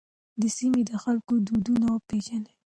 د سیمې د خلکو دودونه وپېژنئ.